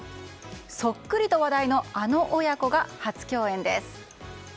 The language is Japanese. そっくりと話題のあの親子が初共演です。